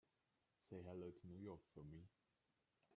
Say hello to New York for me.